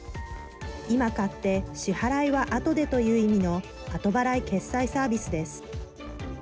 今買って支払いは後でという意味の後払い決済サービスです。